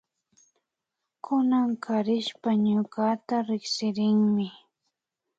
Kunankarishpa ñukata riksirinmi